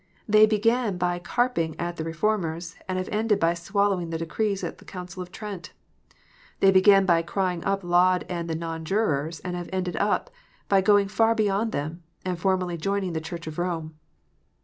They began by carping at the Reformers, and have ended by swallowing the decrees of the Council of Trent. They began by crying up Laud and the Non jurors, and have ended by going far beyond them, and formally joining the Church of Rome.